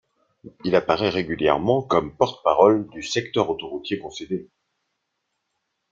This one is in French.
Il apparaît régulièrement comme porte parole du secteur autoroutierconcédé.